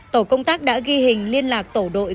tổ công tác đã ghi hình liên lạc tổ đội